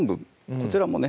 こちらもね